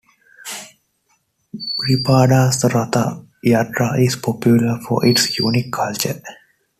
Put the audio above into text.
Baripada's Ratha Yatra is popular for its unique culture.